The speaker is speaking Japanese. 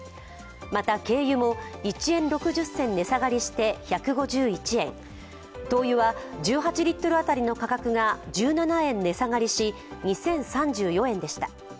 また、軽油も１円６０銭値下がりして１５１円、灯油は１８リットル当たりの価格が１７円値下がりし、２０３４円でした。